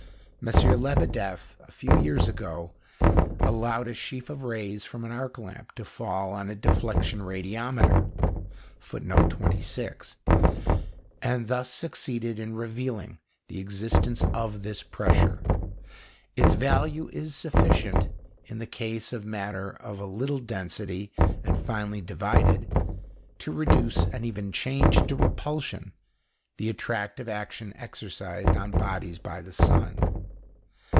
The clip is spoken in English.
M. Lebedeff a few years ago allowed a sheaf of rays from an arc lamp to fall on a deflection radiometer, and thus succeeded in revealing the existence of this pressure. Its value is sufficient, in the case of matter of little density and finely divided, to reduce and even change into repulsion the attractive action exercised on bodies by the sun.